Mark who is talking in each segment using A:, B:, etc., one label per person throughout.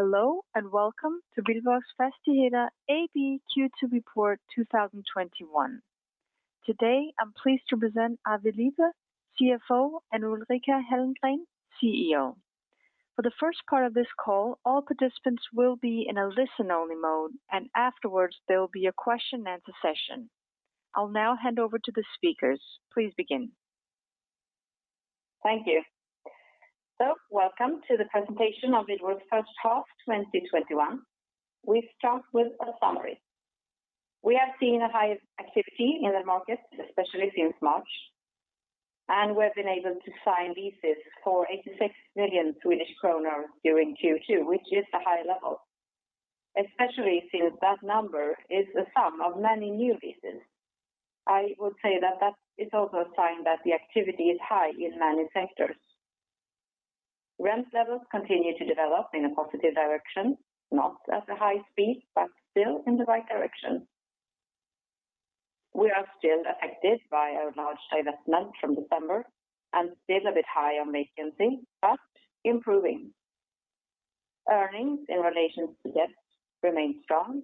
A: Hello, welcome to Wihlborgs Fastigheter AB Q2 report 2021. Today, I'm pleased to present Arvid Liepe, CFO, and Ulrika Hallengren, CEO. For the first part of this call, all participants will be in a listen-only mode, and afterwards, there will be a question and answer session. I'll now hand over to the speakers. Please begin.
B: Thank you. Welcome to the presentation of the Wihlborgs half 2021. We start with a summary. We have seen the highest activity in the market, especially since March, and we've been able to sign leases for 86 million Swedish kronor during Q2, which is a high level, especially since that number is the sum of many new leases. I would say that is also a sign that the activity is high in many sectors. Rent levels continue to develop in a positive direction, not at a high speed, but still in the right direction. We are still affected by our large divestment from December and still a bit high on vacancy, but improving. Earnings in relation to assets remain strong,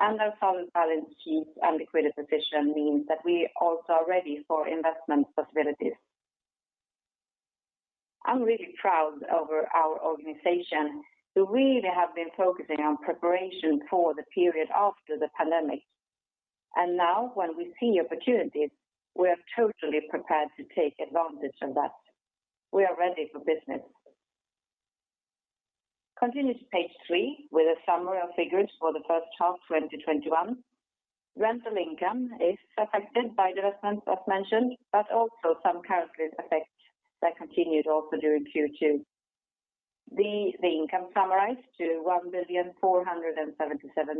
B: and a solid balance sheet and liquidity position means that we also are ready for investment possibilities. I'm really proud over our organization, who really have been focusing on preparation for the period after the pandemic. Now when we see opportunities, we are totally prepared to take advantage of that. We are ready for business. Continue to page three with a summary of figures for the first half 2021. Rental income is affected by divestment, as mentioned, also some counter effect that continued also during Q2. The income summarized to 1,477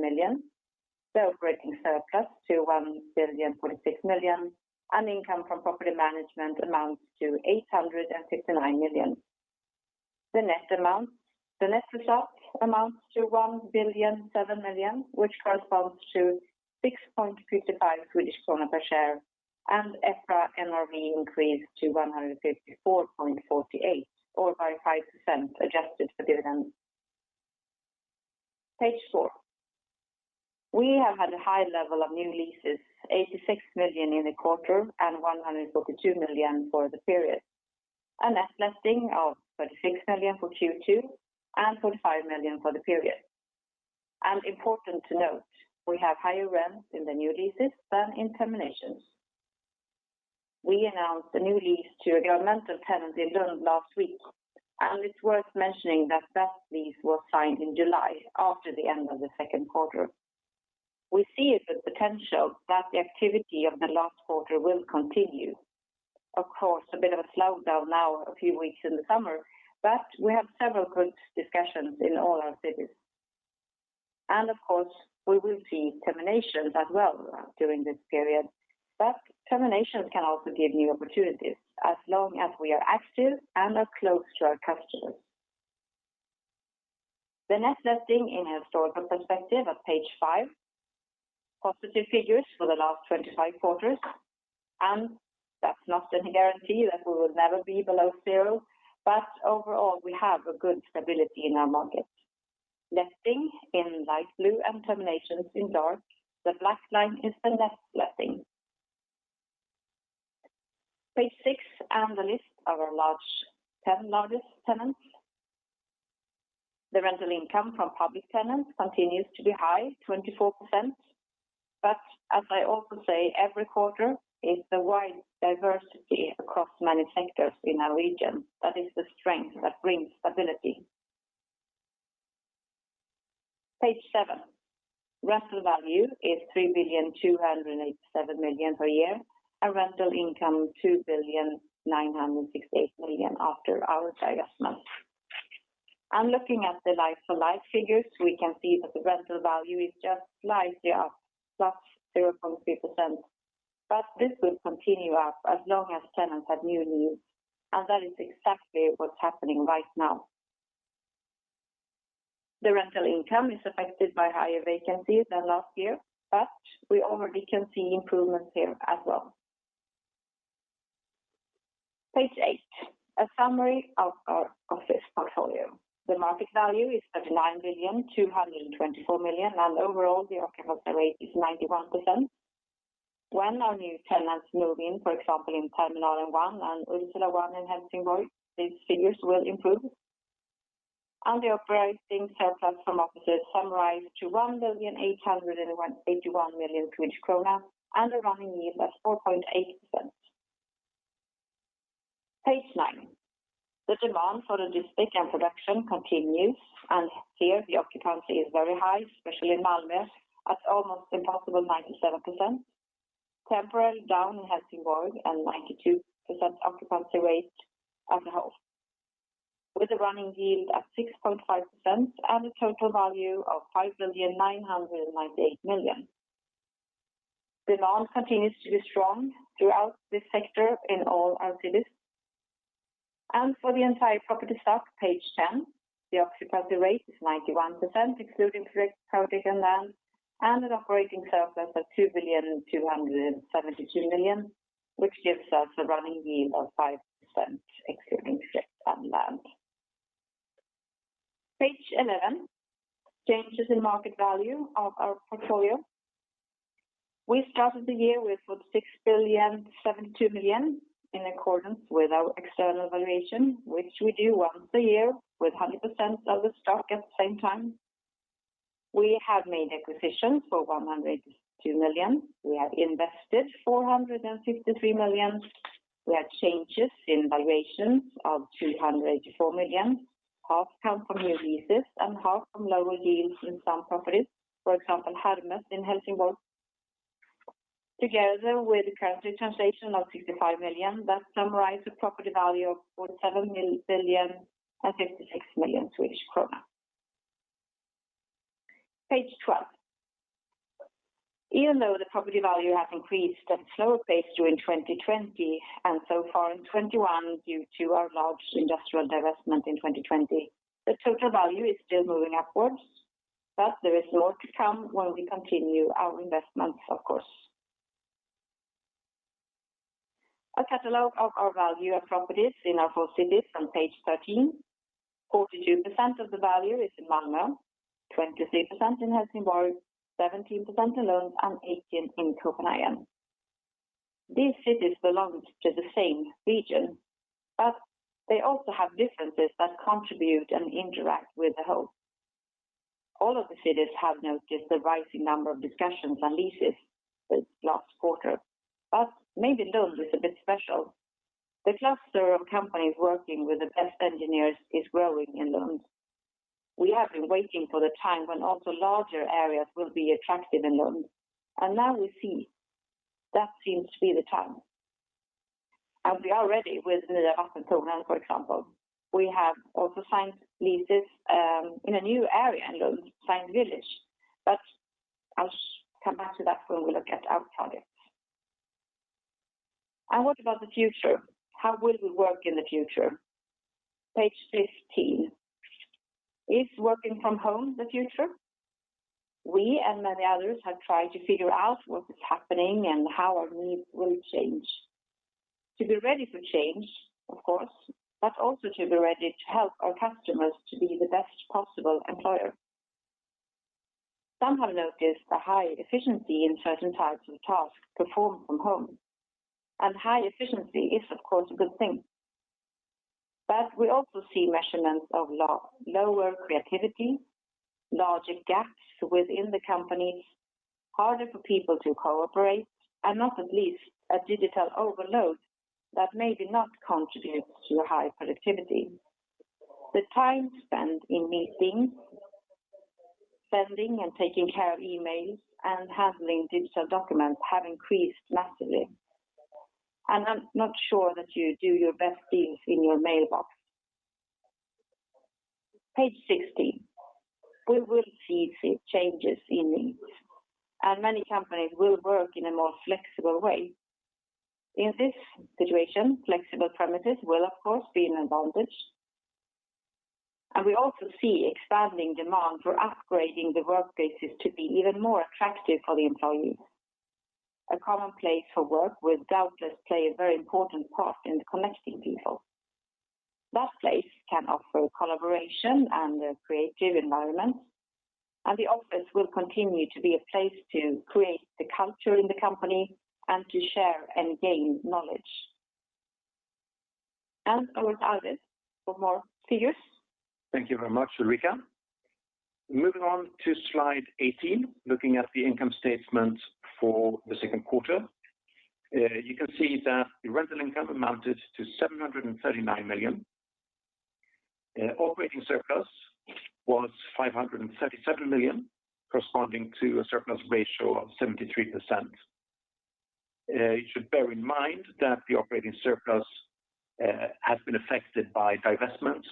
B: million. The operating surplus to 1,046 million. Income from property management amounts to 869 million. The net amount amounts to 1,007 million, which corresponds to 6.55 Swedish kronor per share. EPRA NRV increased to 154.48 or by 5% adjusted for dividends. Page four. We have had a high level of new leases, 86 million in the quarter and 142 million for the period. Net letting of 36 million for Q2 and 45 million for the period. Important to note, we have higher rents in the new leases than in terminations. We announced a new lease to a governmental tenant in Lund last week, and it's worth mentioning that that lease was signed in July after the end of the second quarter. We see the potential that the activity of the last quarter will continue. Of course, a bit of a slowdown now a few weeks in the summer, but we have several good discussions in all our cities. Of course, we will see terminations as well during this period. Termination can also give new opportunities as long as we are active and are close to our customers. The net letting in a historical perspective at page five. Positive figures for the last 25 quarters, that's not a guarantee that we will never be below zero, overall, we have a good stability in our market. Letting in light blue and terminations in dark. The black line is the net letting. Page six, the list of our largest 10 tenants. The rental income from public tenants continues to be high, 24%. As I also say every quarter, it's the wide diversity across many sectors in our region that is the strength that brings stability. Page seven. Rental value is 3,287 million per year, rental income 2,968 million after our divestment. Looking at the like-for-like figures, we can see that the rental value is just slightly up, +0.3%, this will continue up as long as tenants have new needs, that is exactly what's happening right now. The rental income is affected by higher vacancy than last year. We already can see improvements here as well. Page eight. A summary of our office portfolio. The market value is at 9,224 million. Overall, the occupancy rate is 91%. When our new tenants move in, for example, in Patron One and Insula One in Helsingborg, these figures will improve. The operating surplus from offices summarized to 1,881 million Swedish krona. A running yield at 4.8%. Page nine. The demand for logistic and production continues. Here the occupancy is very high, especially in Malmö at almost impossible 97%. Temporarily down in Helsingborg at 92% occupancy rate as a whole. With a running yield at 6.5%. A total value of 5,998 million. Demand continues to be strong throughout this sector in all our cities. For the entire property stock, page 10, the occupancy rate is 91%, excluding three private and land, and an operating surplus of 2,272 million. Which gives us a running yield of 5% excluding shift on land. Page 11, changes in market value of our portfolio. We started the year with 46,072 million in accordance with our external valuation, which we do once a year with 100% of the stock at the same time. We have made acquisitions for 182 million. We have invested 463 million. We have changes in valuations of 284 million, half come from new leases and half from lower yields in some properties. For example, Hermes in Helsingborg. Together with currency translation of 65 million, that summarize the property value of 47,056 million Swedish kronor. Page 12. Even though the property value has increased at a slower pace during 2020 and so far in 2021, due to our large industrial divestment in 2020, the total value is still moving upwards, but there is more to come while we continue our investments, of course. A catalog of our value-add properties in our four cities on page 13. 42% of the value is in Malmö, 23% in Helsingborg, 17% in Lund, and 18% in Copenhagen. These cities belong to the same region, but they also have differences that contribute and interact with the whole. All of the cities have noticed a rising number of discussions and leases this last quarter. Maybe Lund is a bit special. The cluster of companies working with the best engineers is growing in Lund. We have been waiting for the time when also larger areas will be attractive in Lund, now we see that seems to be the time. We are ready with for example. We have also signed leases in a new area in Lund, Science Village. I'll come back to that when we look at our projects. What about the future? How will we work in the future? Page 15. Is working from home the future? We and many others have tried to figure out what is happening and how our needs will change. To be ready for change, of course, but also to be ready to help our customers to be the best possible employer. Some have noticed a high efficiency in certain types of tasks performed from home, and high efficiency is, of course, a good thing. We also see measurements of lower creativity, larger gaps within the companies, harder for people to cooperate, and not at least a digital overload that maybe not contributes to high productivity. The time spent in meetings, sending and taking care of emails, and handling digital documents have increased massively, and I'm not sure that you do your best deals in your mailbox. Page 16. We will see changes in needs, and many companies will work in a more flexible way. In this situation, flexible premises will, of course, be an advantage. We also see expanding demand for upgrading the workplaces to be even more attractive for the employees. A common place for work will doubtless play a very important part in connecting people. That place can offer collaboration and a creative environment, and the office will continue to be a place to create the culture in the company and to share and gain knowledge. Over to Arvid for more figures.
C: Thank you very much, Ulrika. Moving on to slide 18, looking at the income statement for the second quarter. You can see that the rental income amounted to 739 million. Operating surplus was 537 million, corresponding to a surplus ratio of 73%. You should bear in mind that the operating surplus has been affected by divestments,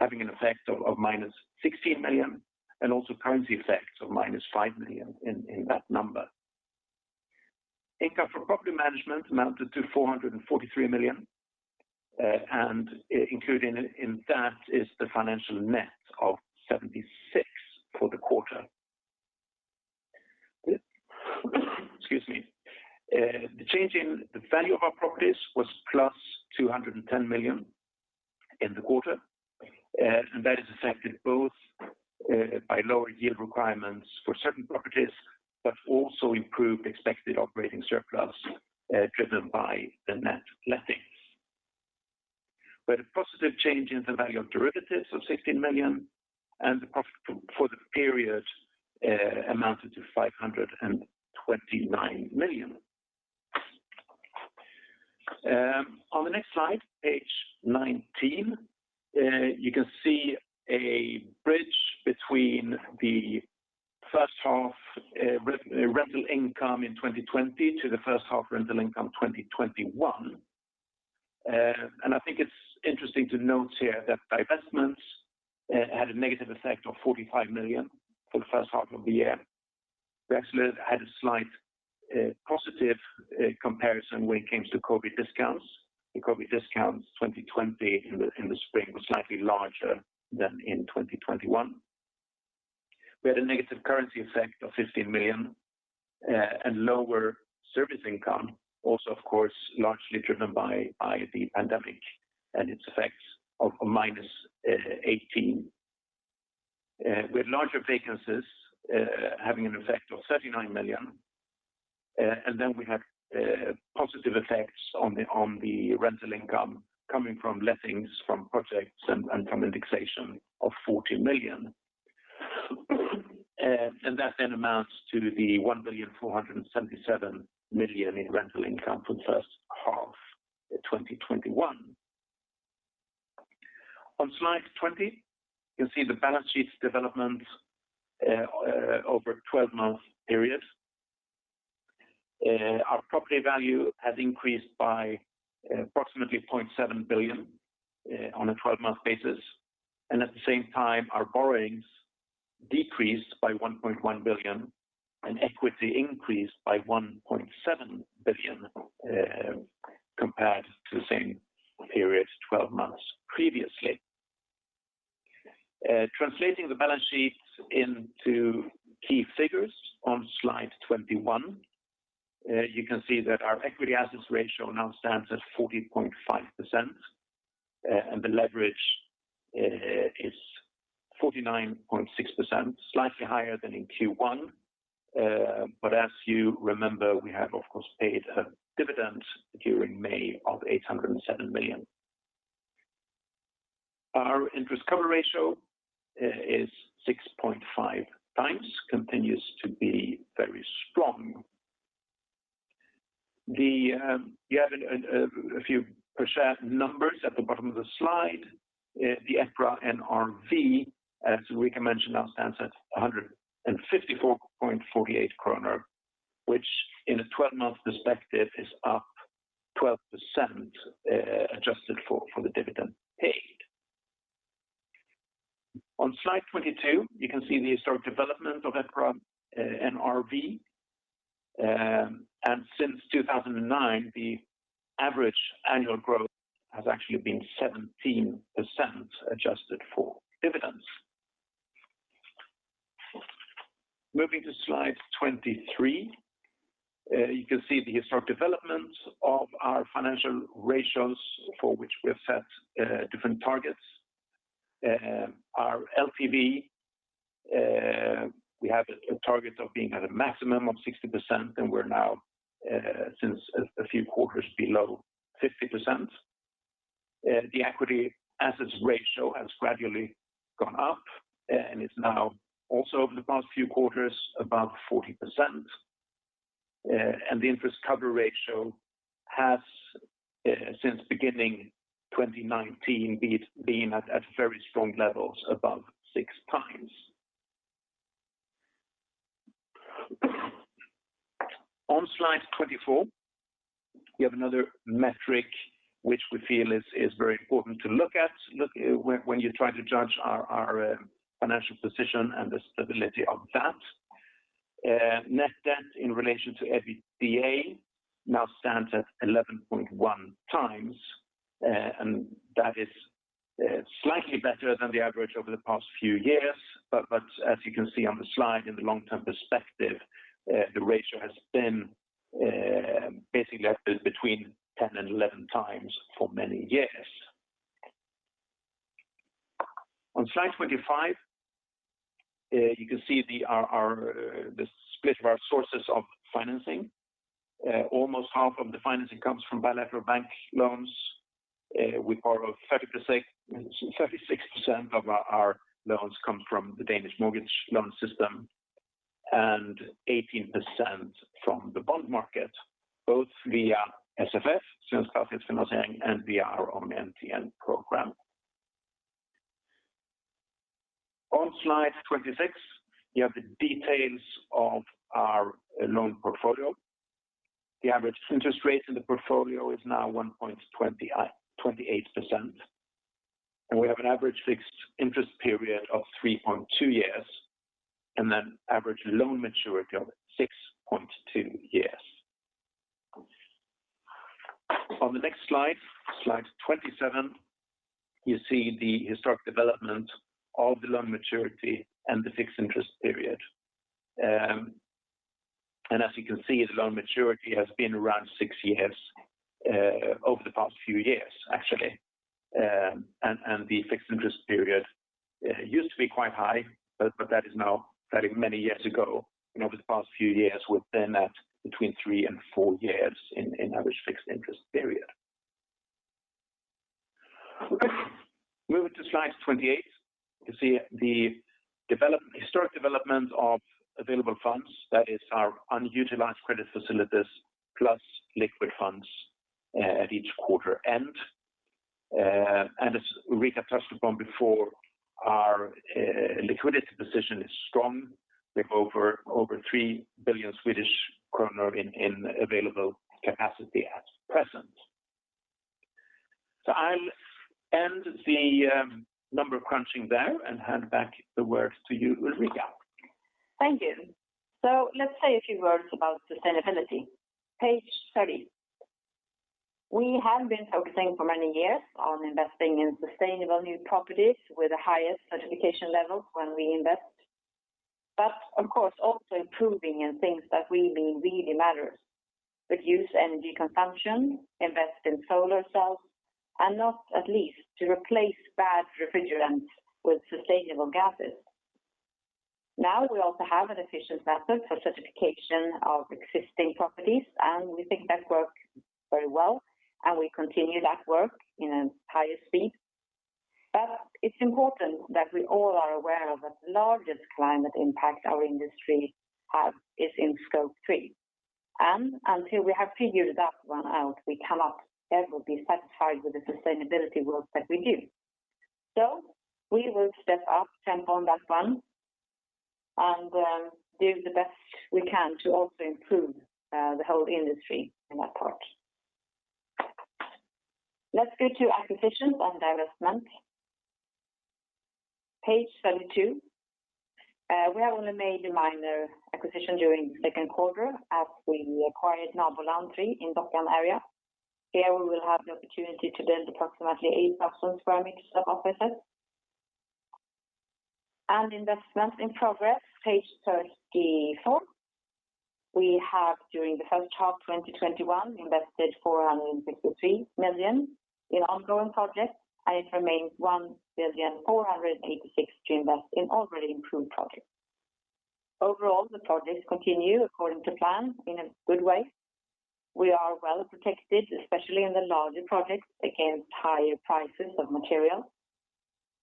C: having an effect of -16 million and also currency effects of -5 million in that number. Income from property management amounted to 443 million, and included in that is the financial net of 76 for the quarter. Excuse me. The change in the value of our properties was +210 million in the quarter, and that is affected both by lower yield requirements for certain properties, but also improved expected operating surplus driven by the net lettings. We had a positive change in the value of derivatives of 16 million, and the profit for the period amounted to 529 million. On the next slide, page 19, you can see a bridge between the first half rental income in 2020 to the first half rental income 2021. I think it's interesting to note here that divestments had a negative effect of 45 million for the first half of the year. We actually had a slight positive comparison when it came to COVID discounts. The COVID discounts 2020 in the spring were slightly larger than in 2021. We had a negative currency effect of 15 million and lower service income also, of course, largely driven by the pandemic and its effects of -18. We had larger vacancies having an effect of 39 million. Then we had positive effects on the rental income coming from lettings from projects and from indexation of 40 million. That then amounts to the 1,477 million in rental income for the first half of 2021. On Slide 20, you'll see the balance sheet's development over a 12-month period. Our property value has increased by approximately 0.7 billion on a 12-month basis. At the same time, our borrowings decreased by 1.1 billion. Equity increased by 1.7 billion compared to the same period 12 months previously. Translating the balance sheets into key figures on Slide 21, you can see that our equity assets ratio now stands at 14.5%. The leverage is 49.6%, slightly higher than in Q1. As you remember, we have, of course, paid a dividend during May of 807 million. Our interest cover ratio is 6.5x, continues to be very strong. You have a few per share numbers at the bottom of the slide. The EPRA NRV, as Ulrika mentioned, now stands at 154.48 kronor, which in a 12-month perspective is up 12% adjusted for the dividend paid. On slide 22, you can see the historic development of EPRA NRV. Since 2009, the average annual growth has actually been 17% adjusted for dividends. Moving to slide 23, you can see the historic developments of our financial ratios for which we have set different targets. Our LTV we have a target of being at a maximum of 60%, and we're now since a few quarters below 50%. The equity assets ratio has gradually gone up, and it's now also over the past few quarters above 40%. The interest cover ratio has since beginning 2019 been at very strong levels above 6x. On slide 24, we have another metric which we feel is very important to look at when you try to judge our financial position and the stability of that. Net debt in relation to EBITDA now stands at 11.1x, and that is slightly better than the average over the past few years. As you can see on the slide in the long-term perspective, the ratio has been basically between 10x and 11x for many years. On slide 25, you can see the split of our sources of financing. Almost half of the financing comes from bilateral bank loans with part of 36% of our loans come from the Danish mortgage loan system and 18% from the bond market, both via SFF, Svensk FastighetsFinansiering and via our own MTN program. On slide 26, you have the details of our loan portfolio. The average interest rate in the portfolio is now 1.28%, and we have an average fixed interest period of 3.2 years, and then average loan maturity of 6.2 years. On the next slide 27, you see the historic development of the loan maturity and the fixed interest period. As you can see, the loan maturity has been around six years over the past few years, actually. The fixed interest period used to be quite high, but that is now very many years ago, and over the past few years we've been at between three and four years in average fixed interest period. Moving to slide 28, you see the historic development of available funds. That is our unutilized credit facilities plus liquid funds at each quarter end. As Ulrika touched upon before, our liquidity position is strong with over 3 billion Swedish kronor in available capacity at present. I'll end the number crunching there and hand back the words to you, Ulrika.
B: Thank you. Let's say a few words about sustainability. Page 30. We have been focusing for many years on investing in sustainable new properties with the highest certification levels when we invest. Of course, also improving in things that we believe really matter. Reduce energy consumption, invest in solar cells, and not least, to replace bad refrigerants with sustainable gases. We also have an efficient method for certification of existing properties, and we think that works very well, and we continue that work in the highest speed. It is important that we all are aware of the largest climate impact our industry has is in Scope three. Until we have figured that one out, we cannot ever be satisfied with the sustainability work that we do. We will step up and on that one, and do the best we can to also improve the whole industry in that part. Let us go to acquisitions and divestments. page 32. We have only made a minor acquisition during the second quarter, as we acquired Naboland 3 in Dockan area. Here we will have the opportunity to build approximately 8,000 sq m of offices. Investments in progress, page 34. We have, during the first half 2021, invested 463 million in ongoing projects, and it remains 1,486 to invest in already approved projects. Overall, the projects continue according to plan in a good way. We are well-protected, especially in the larger projects, against higher prices of material.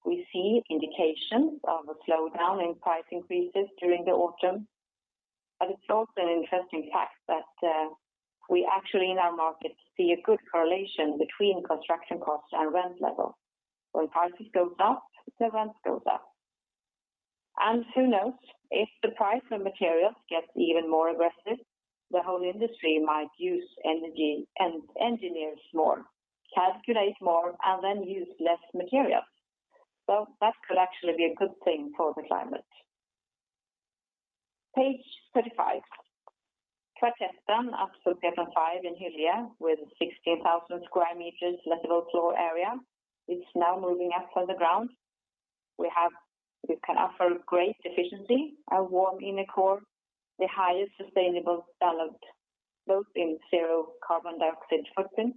B: We see indications of a slowdown in price increases during the autumn. It is also an interesting fact that we actually, in our market, see a good correlation between construction costs and rent level. When prices go up, the rent goes up. Who knows, if the price of materials gets even more aggressive, the whole industry might use engineers more, calculate more, and then use less material. That could actually be a good thing for the climate. Page 35. Kvartetten at Solgatan 5 in Hyllie, with 16,000 sq m lettable floor area, is now moving up from the ground. We can offer great efficiency, a warm inner core, the highest sustainable standard both in zero carbon dioxide footprint,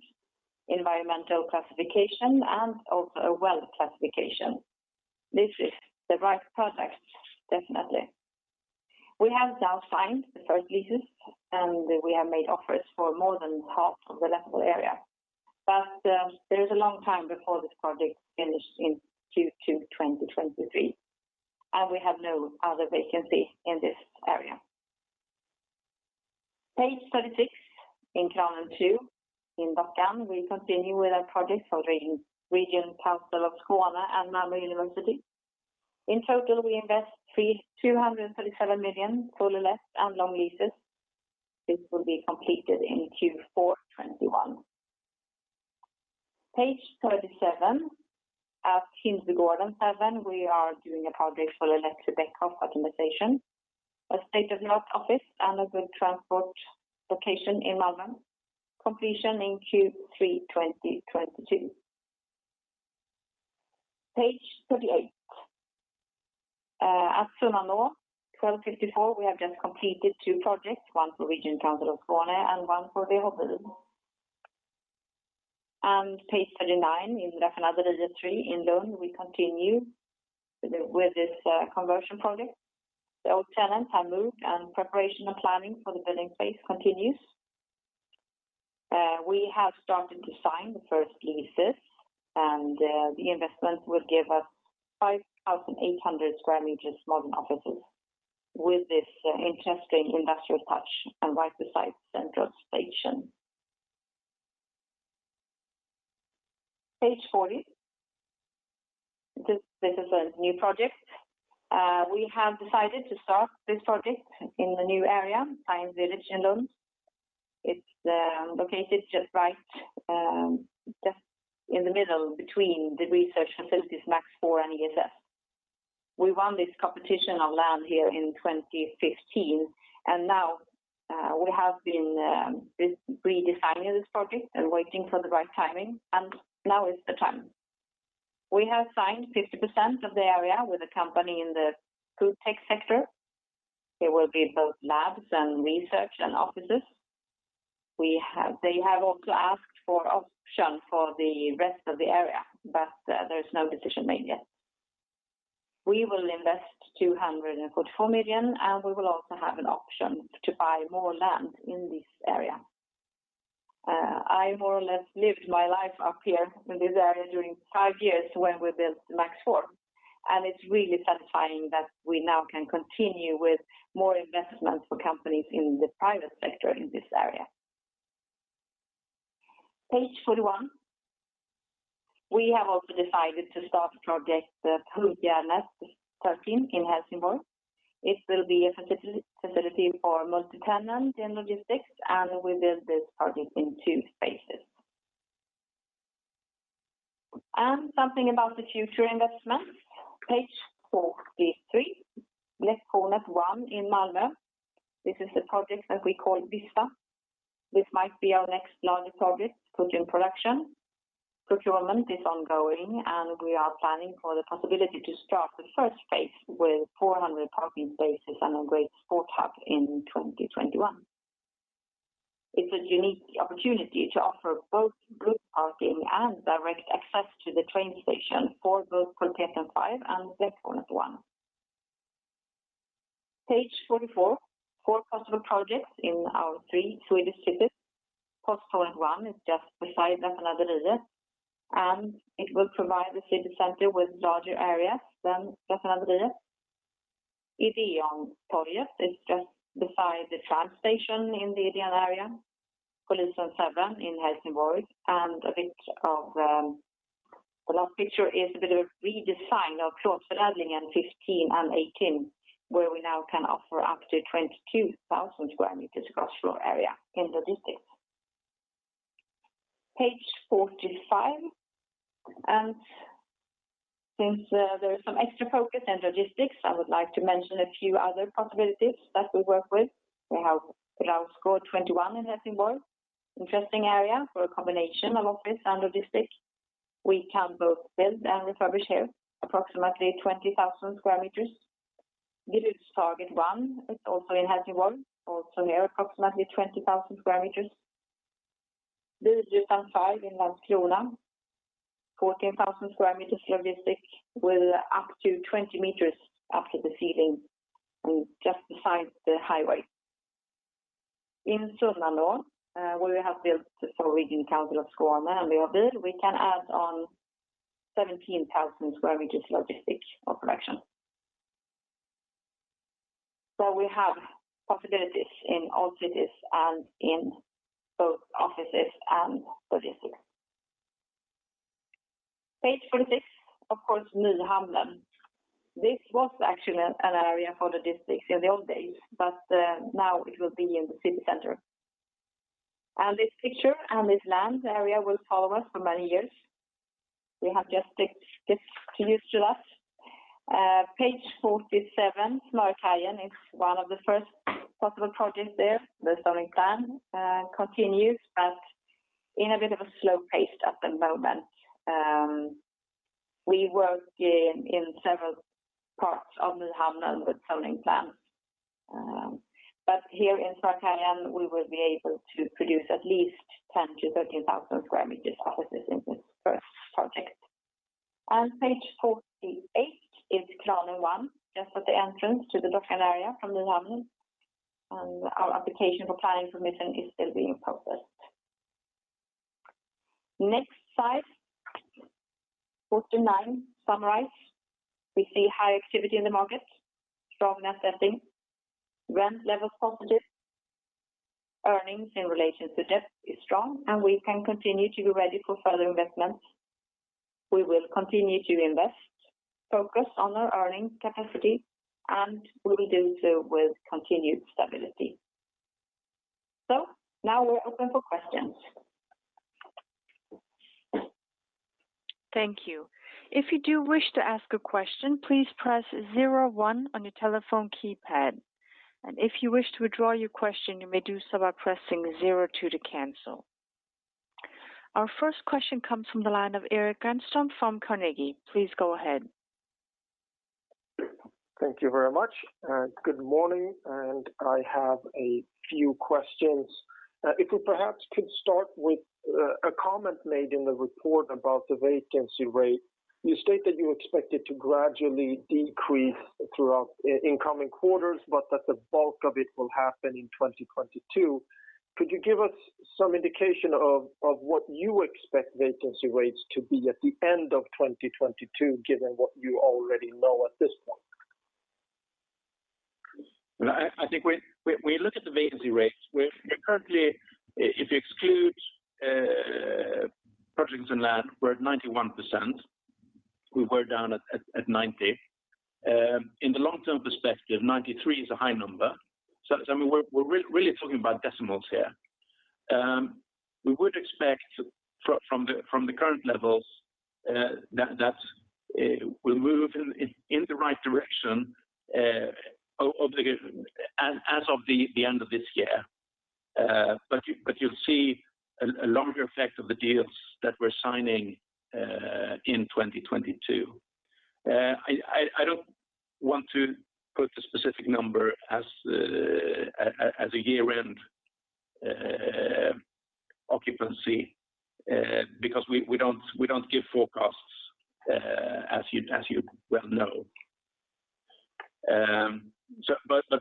B: environmental classification, and also a WELL certification. This is the right project, definitely. We have now signed the first leases, and we have made offers for more than half of the lettable area. There is a long time before this project is finished in Q2 2023, and we have no other vacancy in this area. Page 36. In Kranen 2 in Dockan, we continue with our project for Region Skåne and Malmö University. In total, we invest 237 million fully let and long leases. This will be completed in Q4 2021. Page 37. At Hindbygården 7, we are doing a project for Electrolux Beckhoff optimization. A state-of-the-art office and a good transport location in Malmö. Completion in Q3 2022. Page 38. At Sunnanå 12:54, we have just completed two projects, one for Region Skåne and one for Veho. Page 39, in Raffinaderiet 3 in Lund, we continue with this conversion project. The old tenants have moved, and preparation and planning for the building phase continues. We have started to sign the first leases, and the investment will give us 5,800 sq m modern offices with this interesting industrial touch and right beside Central Station. Page 40. This is a new project. We have decided to start this project in the new area, Science Village in Lund. It is located just right in the middle between the research facilities MAX IV and ESS. We won this competition of land here in 2015, and now we have been redesigning this project and waiting for the right timing, and now is the time. We have signed 50% of the area with a company in the food tech sector. It will be both labs and research and offices. They have also asked for an option for the rest of the area, but there is no decision made yet. We will invest 244 million, and we will also have an option to buy more land in this area. I more or less lived my life up here in this area during five years when we built MAX IV, and it is really satisfying that we now can continue with more investments for companies in the private sector in this area. Page 41. We have also decided to start project Huggjärnet 13 in Helsingborg. It will be a facility for multi-tenant and logistics, and we build this project in two phases. Something about the future investments. Page 43, Västport 1 in Malmö. This is the project that we call Vista. This might be our next largest project put in production. Procurement is ongoing, and we are planning for the possibility to start the first phase with 400 parking spaces and a great sport hub in 2021. It's a unique opportunity to offer both good parking and direct access to the train station for both Fortessan 5 and Västport 1. Page 44, 4 possible projects in our three Swedish cities. Posthornet 1 is just beside Södra Hamnviken. It will provide the city center with larger areas than Södra Hamnviken. Ideon Porjus is just beside the tram station in the Ideon area. Polisen 7 in Helsingborg. The top picture is a bit of a redesign of Kroksabeln 15 and 18, where we now can offer up to 22,000 sq m cross-floor area in logistics. Page 45. Since there's some extra focus in logistics, I would like to mention a few other possibilities that we work with. We have Grustaget 1 in Helsingborg. Interesting area for a combination of office and logistics. We can both build and refurbish here, approximately 20,000 sq m. Village Target 1 is also in Helsingborg, also near approximately 20,000 sq m. Lilla Hjulsån 5 in Malmkrona, 14,000 sq m logistics with up to 20 meters after the ceiling and just beside the highway. In Södermanland, where we have built for Region County of Sörmland earlier, we can add on 17,000 sq m logistics for production. We have possibilities in all cities and in both offices and logistics. Page 46, of course, Nyhamnen. This was actually an area for logistics in the old days, but now it will be in the city center. This picture and this land area will follow us for many years. They have just stuck this to us. Page 47, Norrhamnen is one of the first possible projects there where Söderplan continues, but in a bit of a slow pace at the moment. We work in several parts of Nyhamnen with Söderplan. Here in Norrhamnen, we will be able to produce at least 10,000-13,000 sq m offices in this first project. Page 48 is Kranen 1, just at the entrance to the Dockan area from Nyhamnen, and our application for planning permission is still being processed. Next slide, 49, summary. We see high activity in the market, strong assessing, rent level positive, earnings in relation to debt is strong, and we can continue to be ready for further investments. We will continue to invest, focus on our earnings capacity, and we will do so with continued stability. Now we're open for questions.
A: Thank you. If you do wish to ask a question, please press zero one on your telephone keypad. If you wish to withdraw your question, you may do so by pressing zero two to cancel. Our first question comes from the line of Erik Granström from Carnegie. Please go ahead.
D: Thank you very much. Good morning. I have a few questions. If we perhaps could start with a comment made in the report about the vacancy rate. You state that you expect it to gradually decrease throughout in coming quarters, but that the bulk of it will happen in 2022. Could you give us some indication of what you expect vacancy rates to be at the end of 2022, given what you already know at this point?
C: I think when we look at the vacancy rates, currently, if you exclude projects and land, we're at 91%. We were down at 90. In the long-term perspective, 93 is a high number. We're really talking about decimals here. We would expect from the current levels that we'll move in the right direction as of the end of this year. You'll see a longer effect of the deals that we're signing in 2022. I don't want to put a specific number as a year-end occupancy because we don't give forecasts as you well know.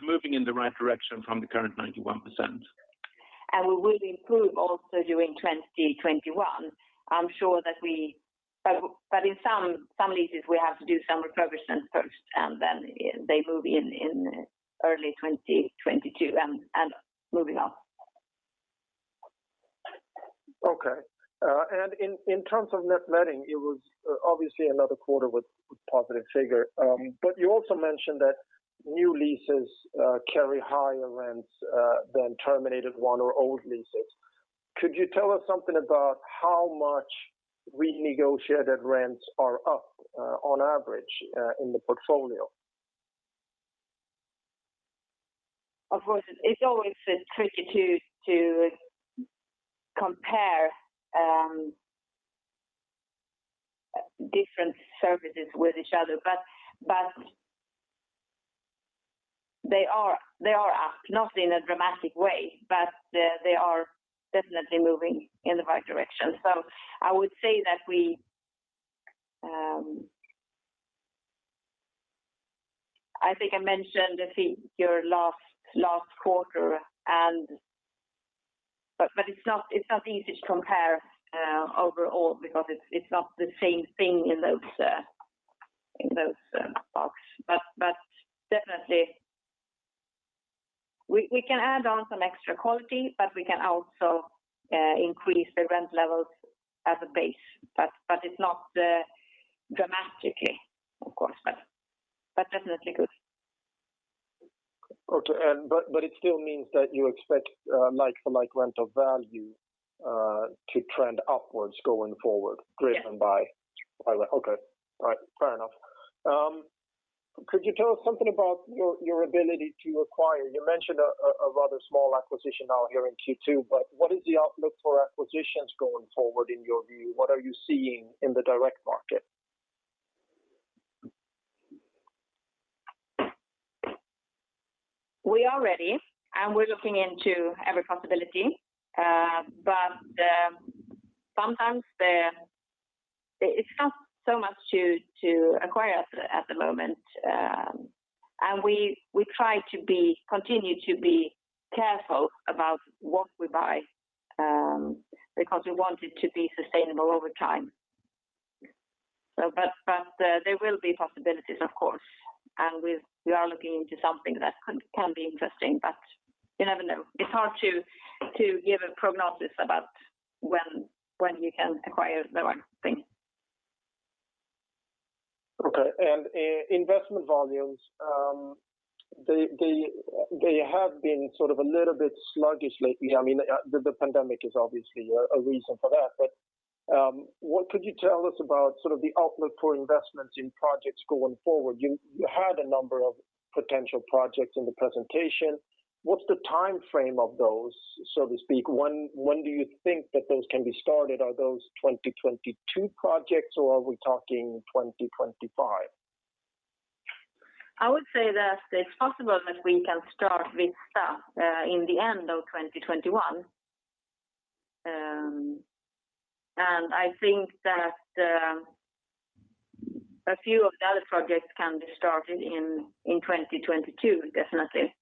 C: Moving in the right direction from the current 91%.
B: We will improve also during 2021. In some leases, we have to do some refurbishments first, then they move in in early 2022.
D: Okay. In terms of net letting, it was obviously another quarter with positive figure. You also mentioned that new leases carry higher rents than terminated one or old leases. Could you tell us something about how much renegotiated rents are up on average in the portfolio?
B: Of course. It's always tricky to compare different services with each other. They are up, not in a dramatic way, but they are definitely moving in the right direction. I would say that I think I mentioned I think your last quarter, but it's not easy to compare overall because it's not the same thing in those parks. Definitely we can add on some extra quality, but we can also increase the rent levels as a base. It's not dramatic, of course, but definitely good.
D: Okay. It still means that you expect like-for-like rental value to trend upwards going forward.
B: Yeah
D: driven by. Okay. All right. Fair enough. Could you tell us something about your ability to acquire? You mentioned a rather small acquisition out here in Q2, but what is the outlook for acquisitions going forward in your view? What are you seeing in the direct market?
B: We are ready, we're looking into every possibility. Sometimes it's not so much to acquire at the moment. We try to continue to be careful about what we buy, because we want it to be sustainable over time. There will be possibilities, of course, and we are looking into something that can be interesting, but you never know. It's hard to give a prognosis about when you can acquire the right thing.
D: Okay. Investment volumes, they have been sort of a little bit sluggish lately. The pandemic is obviously a reason for that. What could you tell us about sort of the outlook for investments in projects going forward? You had a number of potential projects in the presentation. What's the timeframe of those, so to speak? When do you think that those can be started? Are those 2022 projects or are we talking 2025?
B: I would say that it's possible that we can start with some in the end of 2021. I think that a few of the other projects can be started in 2022, definitely.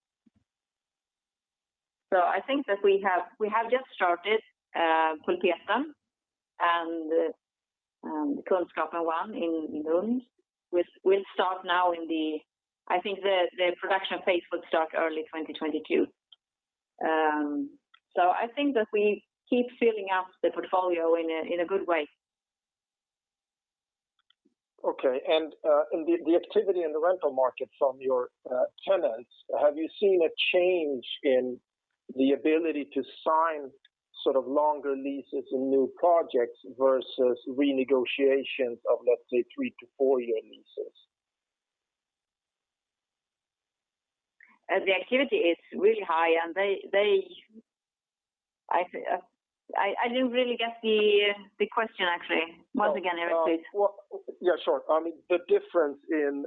B: I think that we have just started Kullpiasan and Kunskapen 1 in Lund, which we'll start now, I think, the production phase would start early 2022. I think that we keep filling up the portfolio in a good way.
D: Okay. The activity in the rental market from your tenants, have you seen a change in the ability to sign sort of longer leases in new projects versus renegotiations of, let's say, three- to four-year leases?
B: The activity is really high. I didn't really get the question, actually. Once again, Erik, please.
D: Yeah, sure. The difference in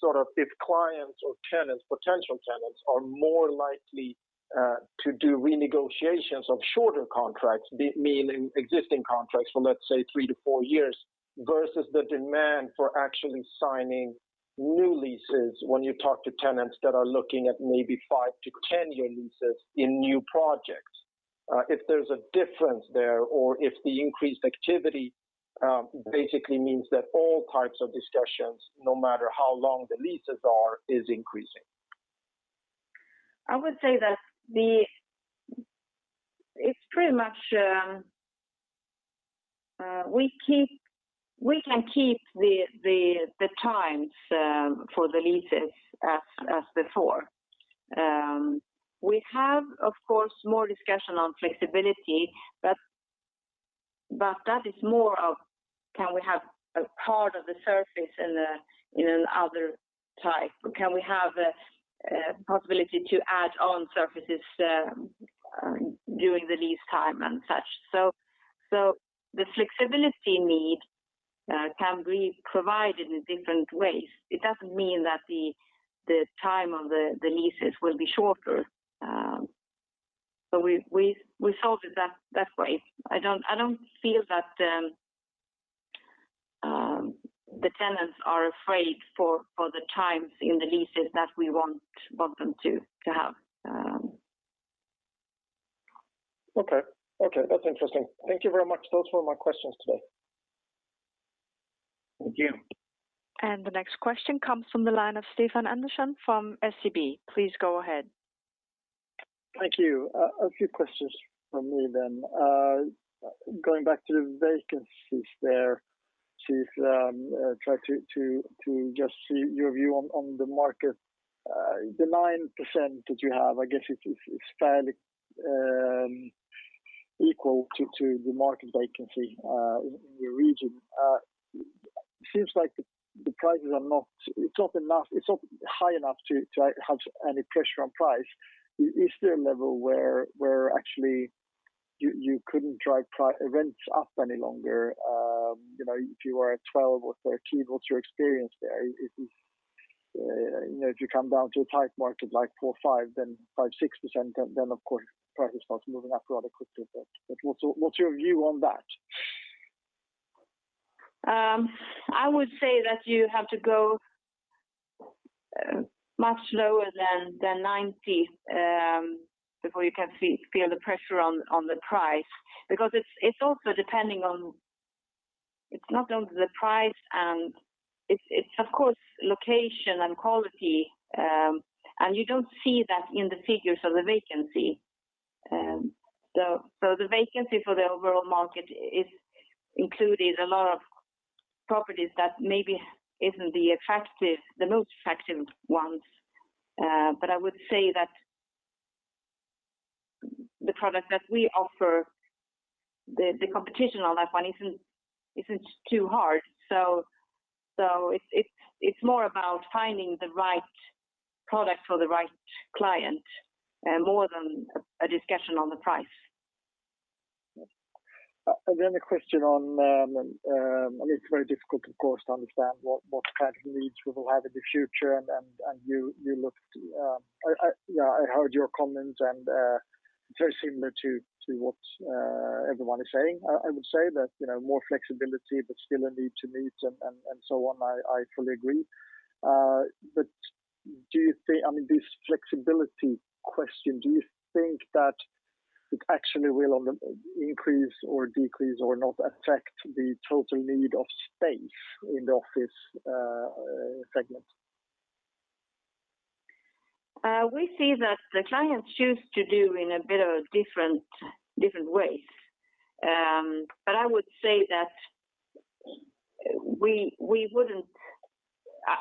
D: sort of if clients or tenants, potential tenants, are more likely to do renegotiations of shorter contracts, meaning existing contracts from, let’s say, three-four years, versus the demand for actually signing new leases when you talk to tenants that are looking at maybe 5-10-year leases in new projects. If there’s a difference there or if the increased activity basically means that all types of discussions, no matter how long the leases are, is increasing.
B: I would say that it is pretty much we can keep the times for the leases as before. We have, of course, more discussion on flexibility, but that is more of can we have a part of the surface in other type? Can we have a possibility to add on surfaces during the lease time and such? The flexibility need can be provided in different ways. It doesn't mean that the time of the leases will be shorter. We solved it that way. I don't feel that the tenants are afraid for the times in the leases that we want them to have.
D: Okay. That's interesting. Thank you very much. Those were my questions today.
C: Thank you.
A: The next question comes from the line of Stefan Andersson from SEB. Please go ahead.
E: Thank you. A few questions from me then. Going back to the vacancies there, to just see your view on the market. The 9% that you have, I guess it's fairly equal to the market vacancy in your region. It seems like the prices are not high enough to have any pressure on price. Is there a level where actually you couldn't drive rents up any longer? If you are at 12 or 13, what's your experience there? If you come down to a tight market like 4, 5, then 5%, 6%, then of course price starts moving up rather quickly. What's your view on that?
B: I would say that you have to go much lower than 90 before you can feel the pressure on the price, because it is not only the price and it is of course location and quality, and you do not see that in the figures of the vacancy. The vacancy for the overall market is including a lot of properties that maybe is not the most attractive ones. I would say that the product that we offer, the competition on that one is not too hard. It is more about finding the right product for the right client, more than a discussion on the price.
E: A question on, and it's very difficult, of course, to understand what kind of needs people will have in the future, and I heard your comment, and it's very similar to what everyone is saying. I would say that more flexibility, but still a need to meet and so on. I fully agree. This flexibility question, do you think that it actually will increase or decrease or not affect the total need of space in the office segment?
B: We see that the clients choose to do in a bit of different ways. I would say that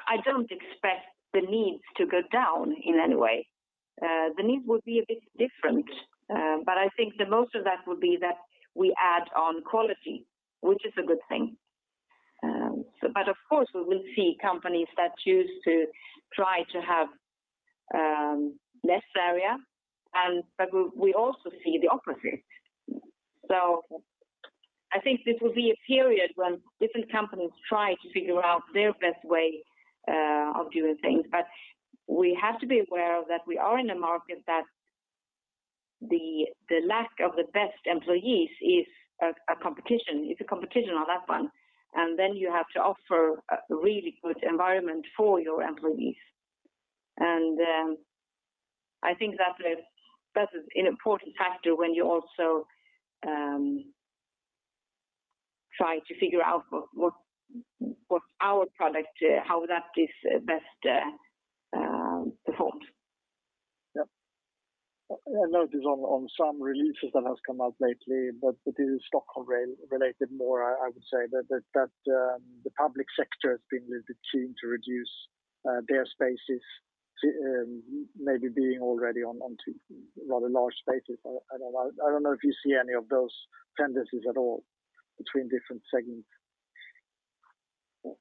B: I don't expect the needs to go down in any way. The needs will be a bit different. I think that most of that would be that we add on quality, which is a good thing. Of course, we will see companies that choose to try to have less area, but we also see the opposite. I think this will be a period when different companies try to figure out their best way of doing things. We have to be aware that we are in a market that the lack of the best employees is a competition. It's a competition on that one. You have to offer a really good environment for your employees. I think that's an important factor when you also try to figure out what our product, how that is best performed.
E: Yep. A notice on some releases that has come out lately, but this is Stockholm related more, I would say, that the public sector has been looking to reduce their spaces, maybe being already onto rather large spaces. I don't know if you see any of those tendencies at all between different segments.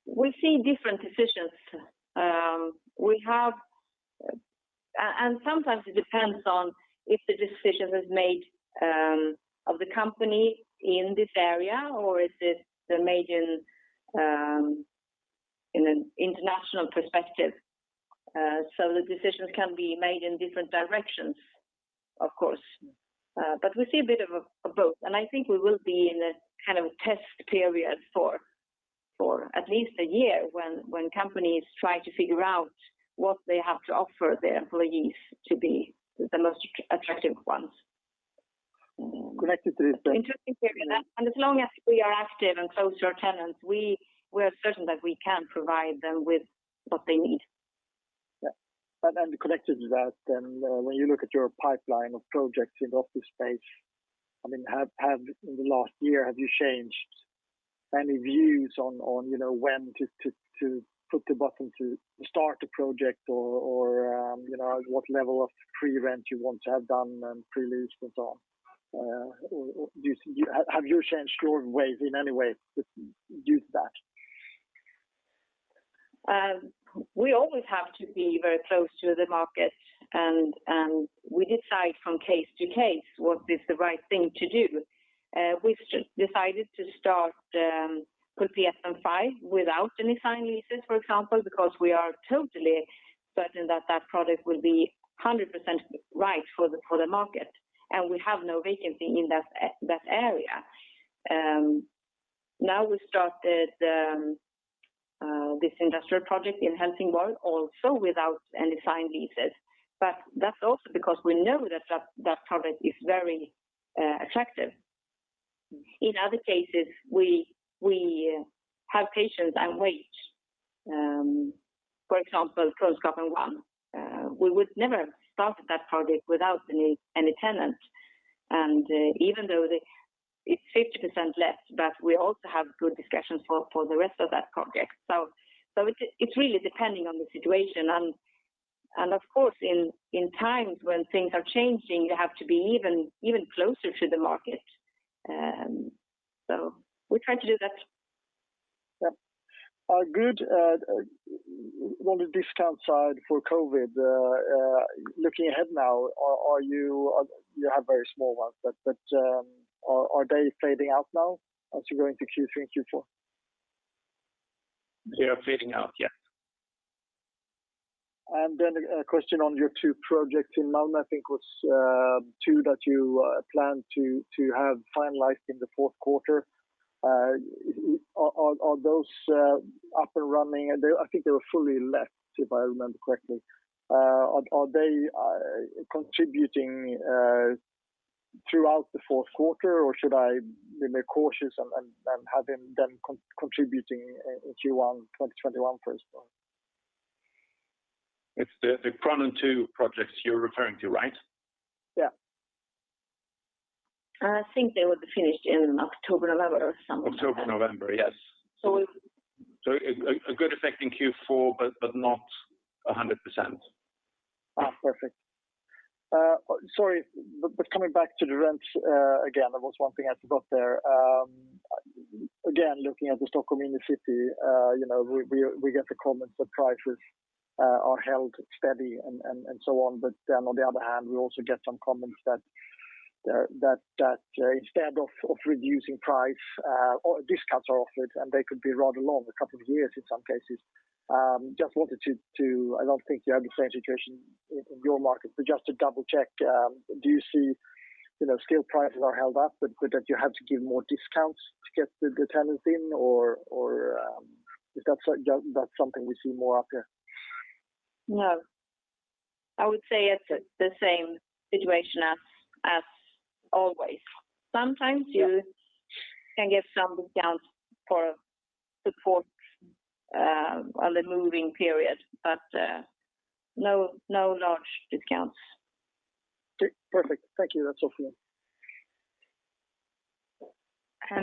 B: We see different decisions. Sometimes it depends on if the decision is made of the company in this area, or is it made in an international perspective. The decisions can be made in different directions, of course. We see a bit of both. I think we will be in a kind of test period for at least a year when companies try to figure out what they have to offer their employees to be the most attractive ones.
E: Connected to that-
B: As long as we are active and close to our tenants, we're certain that we can provide them with what they need.
E: Yeah. Connected to that, when you look at your pipeline of projects in the office space, in the last year, have you changed any views on when to put the button to start a project or what level of pre-rent you want to have done and pre-lease and so on? Have you changed your ways in any way due to that?
B: We always have to be very close to the market, and we decide from case to case what is the right thing to do. We've just decided to start with PSN 5 without any signed leases, for example, because we are totally certain that product would be 100% right for the market, and we have no vacancy in that area. Now we started this industrial project in Helsingborg also without any signed leases. That's also because we know that product is very attractive. In other cases, we have patience and wait. For example, Kungsgatan 1. We would never have started that project without any tenant. Even though it's 50% let, but we also have good discussions for the rest of that project. It's really depending on the situation. Of course, in times when things are changing, you have to be even closer to the market. We try to do that.
E: Yeah. Good. On the discount side for COVID, looking ahead now, you have very small ones, but are they fading out now as you're going to Q3 and Q4?
C: They are fading out, yes.
E: A question on your two projects in Malmö. I think it was two that you plan to have finalized in the fourth quarter. Are those up and running? I think they were fully let, if I remember correctly. Are they contributing throughout the fourth quarter, or should I be cautious and have them contributing in Q1 2021, for example?
C: It's the Kranen 2 projects you're referring to, right?
E: Yeah.
B: I think they would be finished in October, November or something like that.
C: October, November, yes.
B: So it-
C: A good effect in Q4, but not 100%.
E: Perfect. Sorry. Coming back to the rents again, there was one thing I forgot there. Again, looking at the Stockholm inner city, we get the comments that prices are held steady and so on. On the other hand, we also get some comments that instead of reducing price, discounts are offered, and they could be rather long, two years in some cases. I don't think you have the same situation in your market, but just to double-check, do you see scale prices are held up but that you have to give more discounts to get the tenants in, or is that something we see more of here?
B: No. I would say it's the same situation as always. Sometimes you can give some discounts for support on the moving period, but no large discounts.
E: Okay, perfect. Thank you. That's all for me.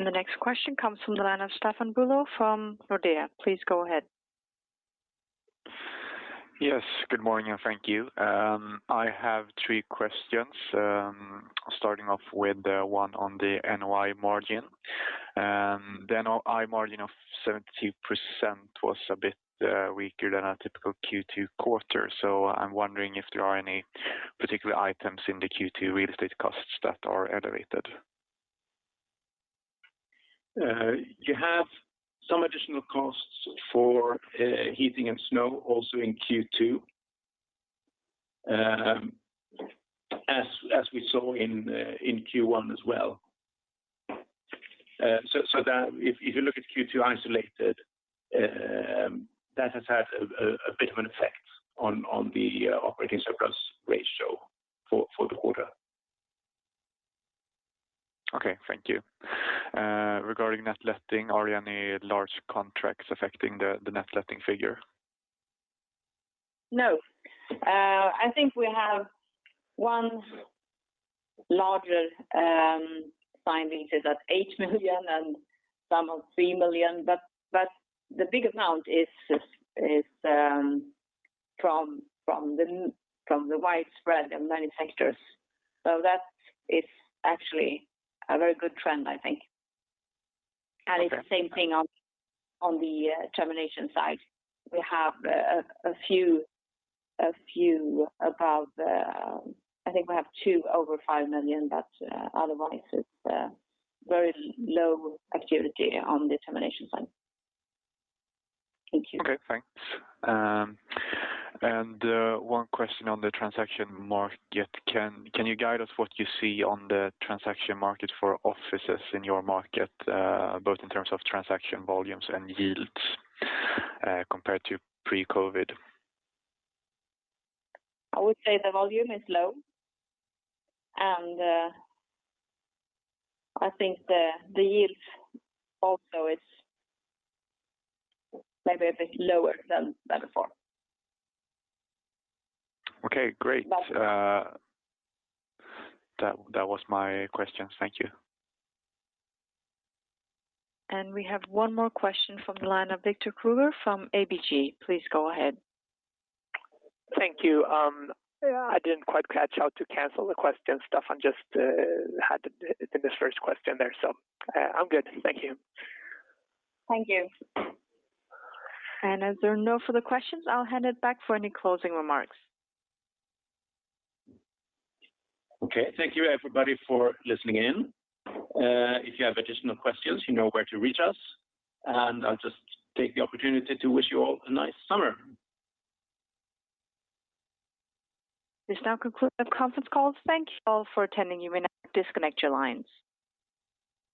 A: The next question comes from the line of Staffan Bülow from Nordea. Please go ahead.
F: Yes, good morning, thank you. I have three questions, starting off with one on the NOI margin. NOI margin of 17% was a bit weaker than a typical Q2 quarter. I'm wondering if there are any particular items in the Q2 real estate costs that are elevated.
C: You have some additional costs for heating and snow also in Q2 as we saw in Q1 as well. If you look at Q2 isolated, that has had a bit of an effect on the operating surplus ratio for the quarter.
F: Okay, thank you. Regarding net letting, are any large contracts affecting the net letting figure?
B: No. I think we have one larger signing at 8 million and some of 3 million. The big amount is from the widespread manufacturers. That is actually a very good trend, I think.
F: Okay.
B: It's the same thing on the termination side. We have a few above, I think we have two over 5 million, but otherwise it's very low activity on the termination side. Thank you.
F: Okay, thanks. One question on the transaction market. Can you guide us what you see on the transaction market for offices in your market, both in terms of transaction volumes and yields compared to pre-COVID?
B: I would say the volume is low, and I think the yield also is maybe a bit lower than before.
F: Okay, great. That was my questions. Thank you.
A: We have one more question from the line of Victor Krüeger from ABG. Please go ahead.
G: Thank you. I didn't quite catch how to cancel the question. Staffan just had it in his first question there, so I'm good. Thank you.
B: Thank you.
A: As there are no further questions, I'll hand it back for any closing remarks.
C: Okay. Thank you, everybody, for listening in. If you have additional questions, you know where to reach us. I'll just take the opportunity to wish you all a nice summer.
A: This now concludes our conference call. Thank you all for attending. You may now disconnect your lines.